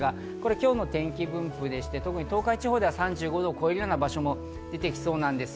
今日の天気分布でして、東海地方では３５度を超えるような場所も出てきそうです。